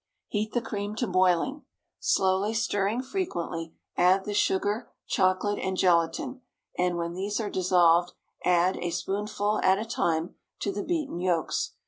Heat the cream to boiling, slowly, stirring frequently; add the sugar, chocolate, and gelatine, and, when these are dissolved, add, a spoonful at a time, to the beaten yolks.